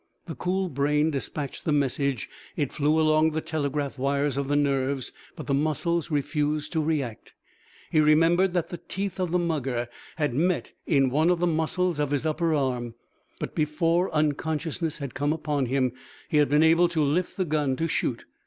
The cool brain dispatched the message, it flew along the telegraph wires of the nerves, but the muscles refused to react. He remembered that the teeth of the mugger had met in one of the muscles of his upper arm, but before unconsciousness had come upon him he had been able to lift the gun to shoot.